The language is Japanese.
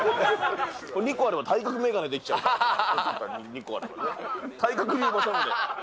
２個あれば体格眼鏡できちゃうから、２個あれば。